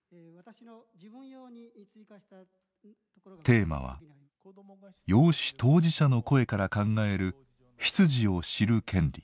テーマは養子当事者の声から考える「出自を知る権利」。